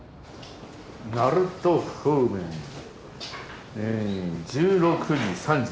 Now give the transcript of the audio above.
鳴門方面１６時３８分ですね。